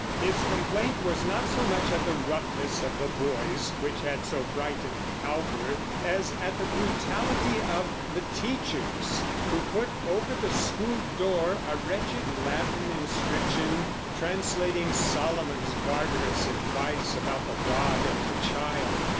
His complaint was not so much at the roughness of the boys, which had so frightened Cowper, as at the brutality of the teachers, who put over the school door a wretched Latin inscription translating Solomon's barbarous advice about the rod and the child.